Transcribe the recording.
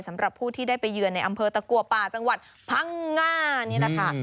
สำหรับผู้ที่ได้ไปเยือนในอำเภอตะกัวป่าจังหวัดพังง่านี่แหละค่ะ